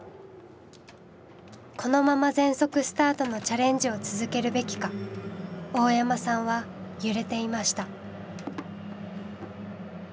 このまま全速スタートのチャレンジを続けるべきか大山さんは揺れていました。